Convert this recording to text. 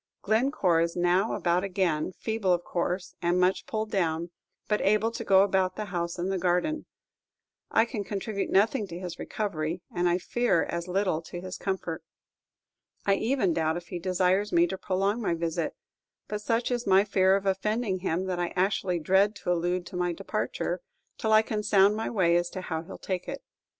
Glencore is now about again, feeble of course, and much pulled down, but able to go about the house and the garden. I can contribute nothing to his recovery, and I fear as little to his comfort. I even doubt if he desires me to prolong my visit; but such is my fear of offending him, that I actually dread to allude to my departure, till I can sound my way as to how he 'll take it.